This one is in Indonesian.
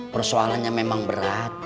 persoalannya memang berat